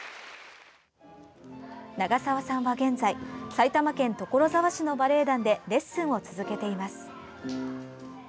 長澤さんは現在埼玉県所沢市のバレエ団でレッスンを続けています。